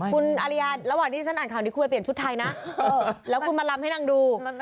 คุณอริยาระหว่างที่ฉันอ่านข่าวนี้คุยไปเปลี่ยนชุดไทยนะแล้วคุณมาลำให้นางดู